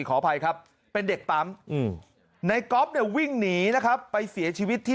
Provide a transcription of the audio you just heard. ขออภัยครับเป็นเด็กปั๊มในก๊อฟเนี่ยวิ่งหนีนะครับไปเสียชีวิตที่